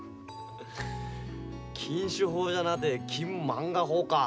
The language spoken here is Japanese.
禁酒法じゃなて禁まんが法か。